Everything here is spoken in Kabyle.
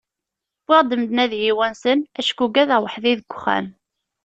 Wwiɣ-d medden ad yi-wansen, acku ugadeɣ weḥd-i deg uxxam.